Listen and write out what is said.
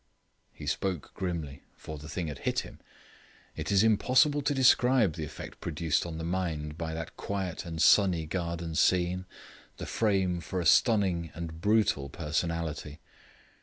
He spoke grimly, for the thing had hit him. It is impossible to describe the effect produced on the mind by that quiet and sunny garden scene, the frame for a stunning and brutal personality.